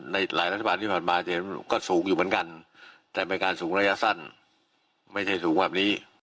ในหลายรัฐบาลที่ผ่านมาเนี่ยก็สูงอยู่เหมือนกันแต่เป็นการสูงระยะสั้นไม่ใช่สูงแบบนี้